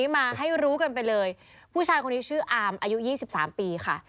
เจ้าคงเป็นภูมิภาคนรัฐศาสนภ๗๐ปีค่ะ